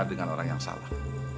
dengan orang yang salah